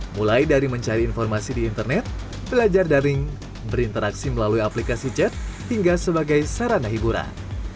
mulai dari mencari informasi di internet belajar daring berinteraksi melalui aplikasi chat hingga sebagai sarana hiburan